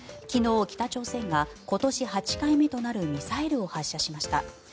昨日、北朝鮮が今年８回目となるミサイルを発射しました。